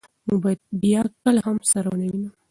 موږ به بیا کله هم سره نه وینو.